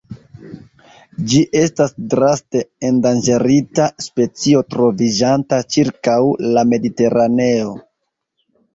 Ĝi estas draste endanĝerita specio troviĝanta ĉirkaŭ la Mediteraneo.